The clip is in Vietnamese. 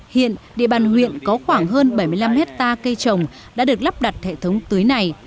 hiện địa bàn huyện có khoảng hơn bảy mươi năm hectare cây trồng đã được lắp đặt hệ thống tưới này